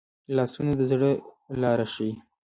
لاسونه د زړه لاره ښيي